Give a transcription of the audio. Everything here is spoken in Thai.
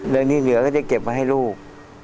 เรื่องที่เหลือก็จะเก็บไว้ให้ลูก